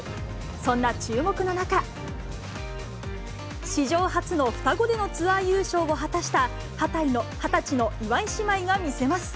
そんな注目の中、史上初の双子でのツアー優勝を果たした、２０歳の岩井姉妹が魅せます。